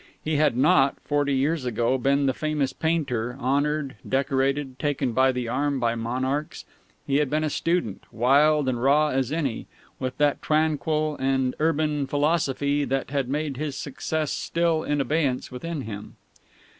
He had not, forty years ago, been the famous painter, honoured, decorated, taken by the arm by monarchs; he had been a student, wild and raw as any, with that tranquil and urbane philosophy that had made his success still in abeyance within him.